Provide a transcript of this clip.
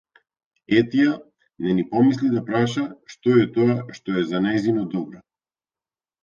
Етја не ни помисли да праша што е тоа што е за нејзино добро.